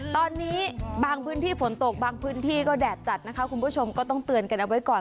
ตอนนี้บางพื้นที่ฝนตกบางพื้นที่ก็แดดจัดนะคะคุณผู้ชมก็ต้องเตือนกันเอาไว้ก่อน